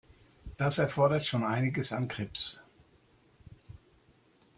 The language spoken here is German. Das erfordert schon einiges an Grips.